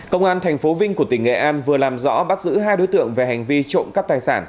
công an tp vinh của tỉnh nghệ an vừa làm rõ bắt giữ hai đối tượng về hành vi trộm cắp tài sản